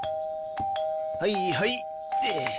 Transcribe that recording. はいはい。